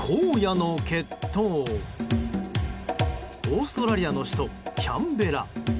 オーストラリアの首都キャンベラ。